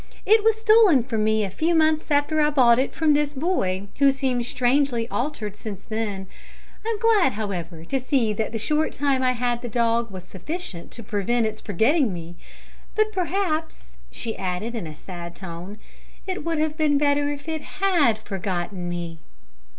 "It was stolen from me a few months after I had bought it from this boy, who seems strangely altered since then. I'm glad, however, to see that the short time I had the dog was sufficient to prevent its forgetting me. But perhaps," she added, in a sad tone, "it would have been better if it had forgotten me."